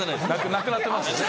「亡くなってます」ね。